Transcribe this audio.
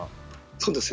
そうですね。